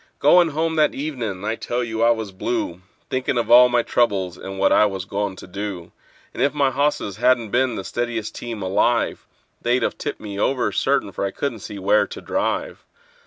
Goin' home that evenin' I tell you I was blue, Thinkin' of all my troubles, and what I was goin' to do; And if my hosses hadn't been the steadiest team alive, They'd 've tipped me over, certain, for I couldn't see where to drive.